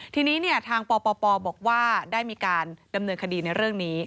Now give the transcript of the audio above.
ทีนี้ทางปปบอกว่าได้มีการดำเนินคดีในเรื่องนี้